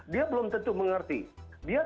dia belum tentu mengerti dia